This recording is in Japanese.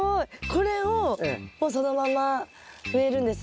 これをもうそのまま植えるんですね。